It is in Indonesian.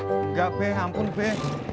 enggak be ampun be